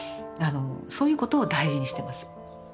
そういうことを大事にしてます。